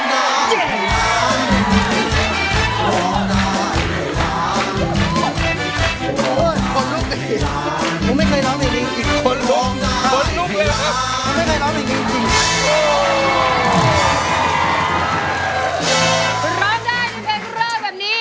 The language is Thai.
ได้ครับ